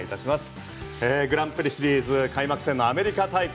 グランプリシリーズ開幕戦のアメリカ大会。